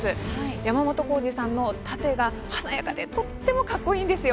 山本耕史さんの殺陣が華やかでとてもかっこいいんですよ。